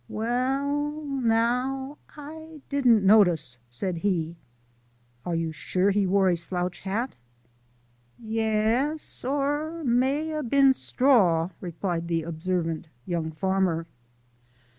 "Well, naow, I didn't notice," said he. "Are you sure he wore a slouch hat?" "Ye es or it may a been straw," replied the observant young farmer.